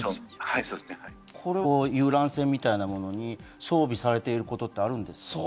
これは一般の遊覧船みたいなものに装備されていることがあるんですか？